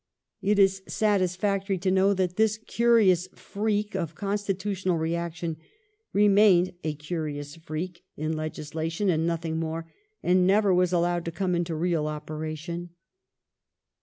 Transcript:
It is satisfactory to know that this curious freak of constitutional reaction remained a curious freak in legislation and nothing more, and never was allowed to come into real operation.